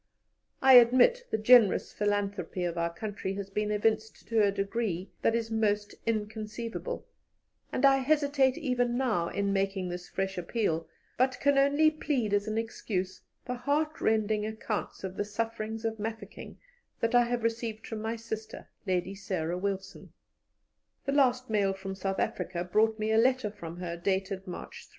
I admit the generous philanthropy of our country has been evinced to a degree that is almost inconceivable, and I hesitate even now in making this fresh appeal, but can only plead as an excuse the heartrending accounts of the sufferings of Mafeking that I have received from my sister, Lady Sarah Wilson. "The last mail from South Africa brought me a letter from her, dated March 3.